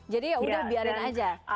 jadi ya udah biarin aja